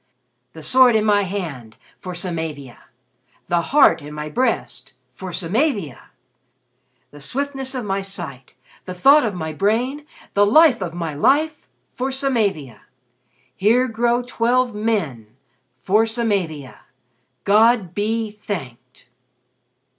"The sword in my hand for Samavia! "The heart in my breast for Samavia! "The swiftness of my sight, the thought of my brain, the life of my life for Samavia. "Here grow twelve men for Samavia. "God be thanked!"